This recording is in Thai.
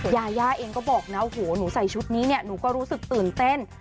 ยาย่าเองก็บอกนะโอ้โหหนูใส่ชุดนี้เนี่ยหนูก็รู้สึกตื่นเต้น